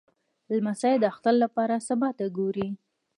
لمسی د اختر لپاره سبا ته ګوري.